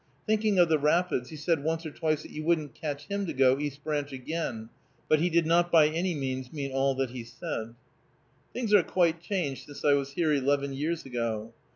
Thinking of the rapids, he said once or twice that you wouldn't catch him to go East Branch again; but he did not by any means mean all that he said. Things are quite changed since I was here eleven years ago.